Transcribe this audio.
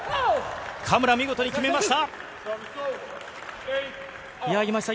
嘉村、見事に決めました。